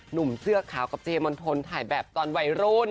หนุ่มเสื้อขาวกับเจมณฑลถ่ายแบบตอนวัยรุ่น